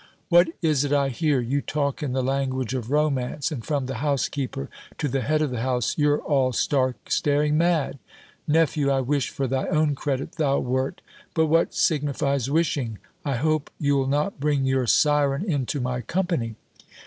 "What is it I hear? You talk in the language of romance; and from the housekeeper to the head of the house, you're all stark staring mad. Nephew, I wish, for thy own credit, thou wert But what signifies wishing? I hope you'll not bring your syren into my company."